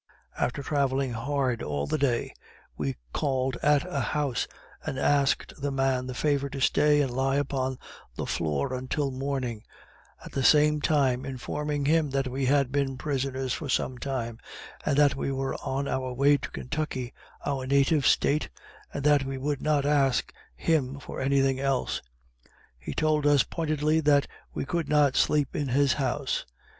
After travelling hard all the day, we called at a house and asked the man the favor to stay and lie upon the floor until morning, at the same time informing him that we had been prisoners for some time, and that we were on our way to Kentucky, our native State, and that we would not ask him for any thing else. He told us pointedly that we could not sleep in his house.